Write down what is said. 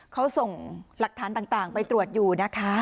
เขาส่งหลักฐานต่างไปตรวจอยู่นะคะ